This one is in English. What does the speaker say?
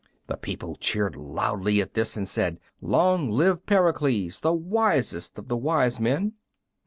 The people cheered loudly at this, and said, "Long live Pericles, the wisest of the wise men!"